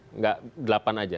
enggak delapan aja